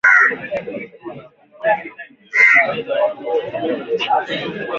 jeshi la jamhuri ya kidemokrasia ya Kongo lilisema kwamba